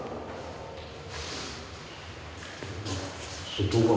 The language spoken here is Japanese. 外側。